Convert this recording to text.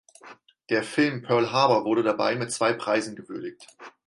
Der Film Pearl Harbor wurde dabei mit zwei Preisen gewürdigt.